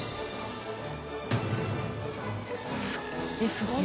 すごいよ。